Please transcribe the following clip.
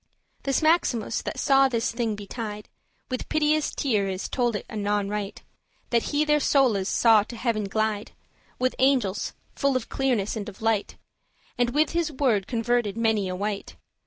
This Maximus, that saw this thing betide, With piteous teares told it anon right, That he their soules saw to heaven glide With angels, full of clearness and of light Andt with his word converted many a wight.